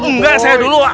enggak saya dulu